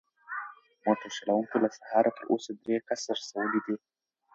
موټر چلونکی له سهاره تر اوسه درې کسه رسولي دي.